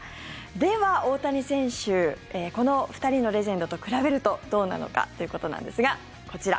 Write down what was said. では、大谷選手この２人のレジェンドと比べるとどうなのかということなんですがこちら。